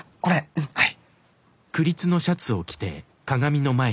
はい。